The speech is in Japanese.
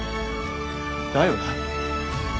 だよな。